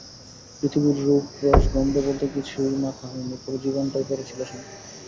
পৃথিবীর রূপ-রস-গন্ধ বলতে গেলে কিছুই মাখা হয়নি, পুরো জীবনটাই পড়ে ছিল সামনে।